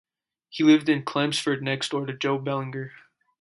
He lived in Chelmsford next door to Joe Bellinger.